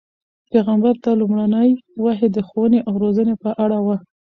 پیغمبر ته لومړنۍ وحی د ښوونې او روزنې په اړه وه.